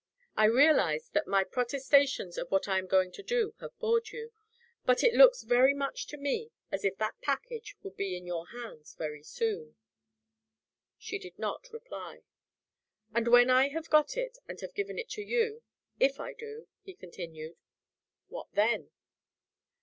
I realize that my protestations of what I am going to do have bored you. But it looks very much to me as if that package would be in your hands very soon." She did not reply. "And when I have got it, and have given it to you if I do," he continued, "what then?"